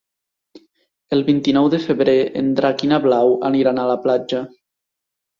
El vint-i-nou de febrer en Drac i na Blau aniran a la platja.